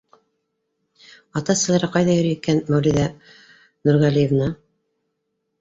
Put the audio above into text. — Ата-әсәләре ҡайҙа йөрөй икән, Мәүлиҙә Нурғәлиевна?